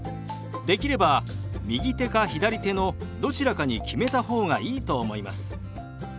できれば右手か左手のどちらかに決めた方がいいと思います。